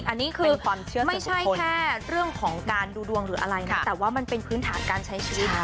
อันนี้คือความเชื่อไม่ใช่แค่เรื่องของการดูดวงหรืออะไรนะแต่ว่ามันเป็นพื้นฐานการใช้ชีวิต